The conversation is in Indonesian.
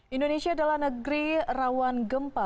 indonesia adalah negeri rawan gempa